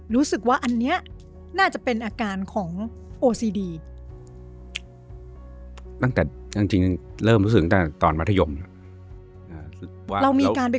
เรามีการไปค้นหาไหมคะว่าที่เราก็เป็นที่อะไร